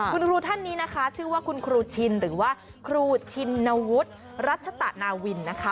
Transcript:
คุณครูท่านนี้นะคะชื่อว่าคุณครูชินหรือว่าครูชินวุฒิรัชตะนาวินนะคะ